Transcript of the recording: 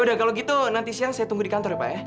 udah kalau gitu nanti siang saya tunggu di kantor ya pak ya